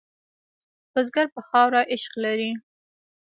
بزګر په خاوره عشق لري